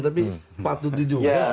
tapi patut juga